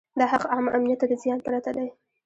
دا حق عامه امنیت ته د زیان پرته دی.